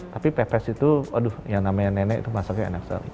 tapi pepes itu aduh yang namanya nenek itu masaknya enak sekali